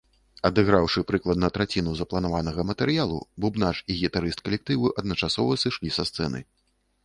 Адыграўшы прыкладна траціну запланаванага матэрыялу бубнач і гітарыст калектыву адначасова сышлі са сцэны.